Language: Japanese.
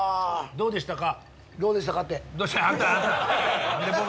どうでしたか？